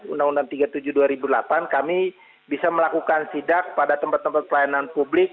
undang undang tiga puluh tujuh dua ribu delapan kami bisa melakukan sidak pada tempat tempat pelayanan publik